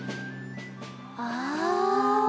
ああ。